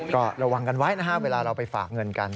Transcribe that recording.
ก็ระวังกันไว้นะฮะเวลาเราไปฝากเงินกัน